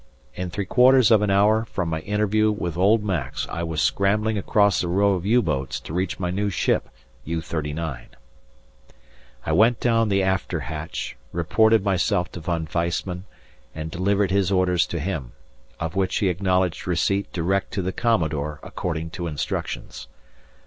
In three quarters of an hour from my interview with old Max I was scrambling across a row of U boats to reach my new ship, U.39. I went down the after hatch, reported myself to Von Weissman and delivered his orders to him, of which he acknowledged receipt direct to the Commodore according to instructions.